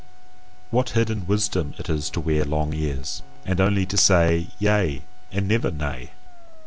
What hidden wisdom it is to wear long ears, and only to say Yea and never Nay!